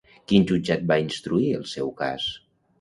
Quin jutjat va instruir el seu cas?